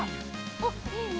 おっいいね！